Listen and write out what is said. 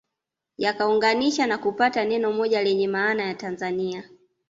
Yakaunganisha na kupata neno moja lenye maana ya Tanzania